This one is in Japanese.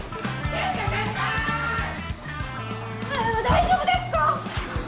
大丈夫ですか！？